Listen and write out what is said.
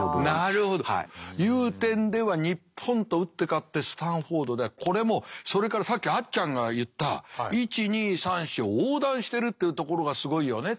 なるほど。という点では日本と打って変わってスタンフォードではこれもそれからさっきあっちゃんが言った１２３４を横断してるっていうところがすごいよねと。